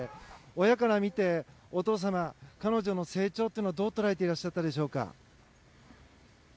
親から見てお父様、彼女の成長はどう捉えていらっしゃったでしょうか。